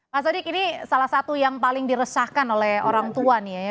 mas adik ini salah satu yang paling diresahkan oleh orang tua nih ya